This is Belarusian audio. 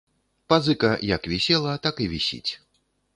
Пазыка як вісела, так і вісіць.